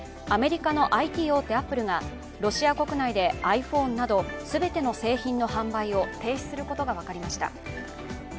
アメリカのＩＴ大手・アップルがロシア国内でｉＰｈｏｎｅなど全ての製品の販売を停止することが分かりました。